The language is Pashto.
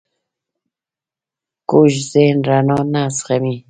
کوږ ذهن رڼا نه زغمي